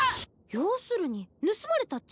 要するに盗まれたっちゃ。